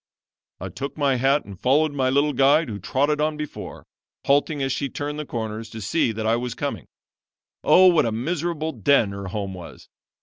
"I took my hat and followed my little guide who trotted on before, halting as she turned the corners to see that I was coming. Oh, what a miserable den her home was!